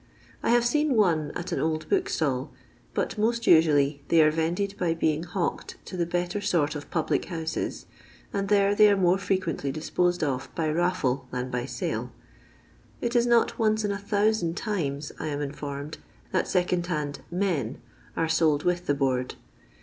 I have seen one at an old book stall, but most usually they are vended by being hawked to the better sort of public houses, and there they are more frequently disposed of by raffle than by sale. It is not oi.ce in a thousand times, I am informed, that second hand " men " are sold with the board.